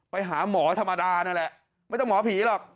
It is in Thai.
ไปหาหมอธรรมดานั่นแหละไม่ต้องหมอผีหรอก